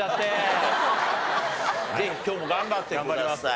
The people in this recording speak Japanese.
ぜひ今日も頑張ってください。